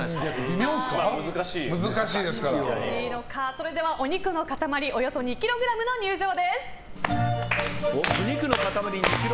それでは、お肉の塊２ｋｇの入場です！